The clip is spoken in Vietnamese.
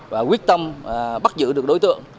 và quyết tâm bắt giữ được đối tượng